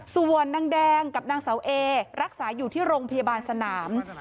ส่วนนางแดงกับนางเสาเอรักษาอยู่ที่โรงพยาบาลสนาม